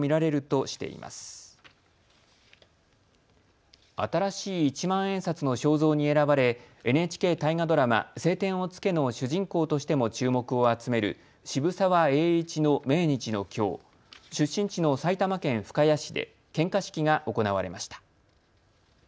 新しい一万円札の肖像に選ばれＮＨＫ大河ドラマ、青天を衝けの主人公としても注目を集める渋沢栄一の命日のきょう、出身地の埼玉県深谷市で献花式が行われました。